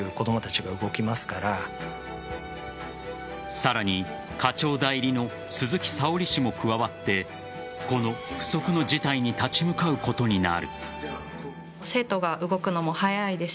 さらに課長代理の鈴木沙織氏も加わってこの不測の事態に立ち向かうことになる。